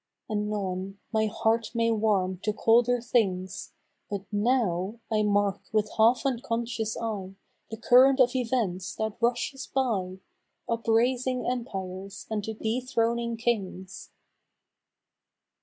5 Anon, my heart may warm to colder things, But now I mark with half unconscious eye The current of events that rushes by, Upraising Empires and dethroning Kings.